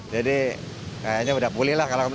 kayaknya udah pulih lah